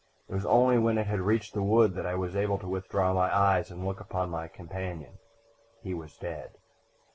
It was only when it had reached the wood that I was able to withdraw my eyes and look at my companion. He was dead."